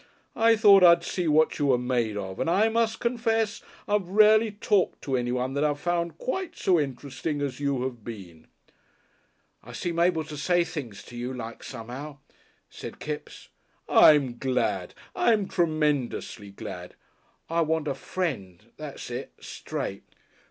"I thought I'd see what you were made of, and I must confess I've rarely talked to anyone that I've found quite so interesting as you have been " "I seem able to say things to you like somehow," said Kipps. "I'm glad. I'm tremendously glad." "I want a Friend. That's it straight."